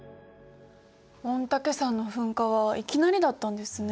御嶽山の噴火はいきなりだったんですね。